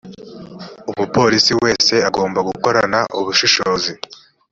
umupolisi wese agomba gukorana ubushishozi